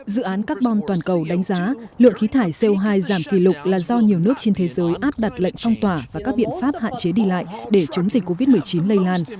dự án carbon toàn cầu đánh giá lượng khí thải co hai giảm kỷ lục là do nhiều nước trên thế giới áp đặt lệnh phong tỏa và các biện pháp hạn chế đi lại để chống dịch covid một mươi chín lây lan